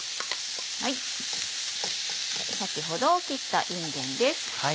先ほど切ったいんげんです。